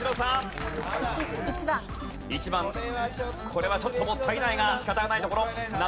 これはちょっともったいないが仕方がないところ。